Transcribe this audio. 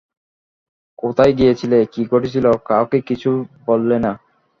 কোথায় গিয়েছিল, কী ঘটেছিল, কাউকে কিছুই বললে না।